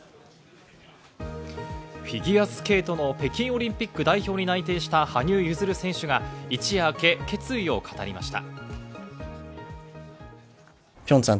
フィギュアスケートの北京オリンピック代表に内定した羽生結弦選手が一夜明け、決意を語りました。